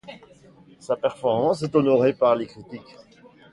Sa performance est honorée par les critiques.